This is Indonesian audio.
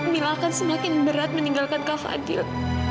mila akan semakin berat meninggalkan kak fadil